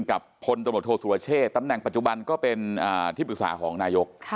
พลตำรวจโทษสุรเชษตำแหน่งปัจจุบันก็เป็นที่ปรึกษาของนายก